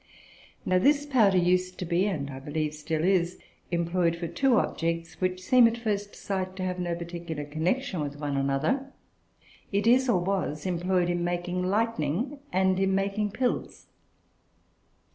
Now this powder used to be, and I believe still is, employed for two objects which seem, at first sight, to have no particular connection with one another. It is, or was, employed in making lightning, and in making pills.